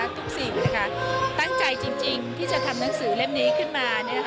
สิ่งตั้งใจจริงที่จะทำหนังสือเล่มนี้ขึ้นมา